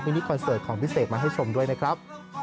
นิคอนเสิร์ตของพี่เสกมาให้ชมด้วยนะครับ